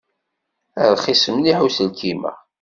Rxis mliḥ uselkim-a.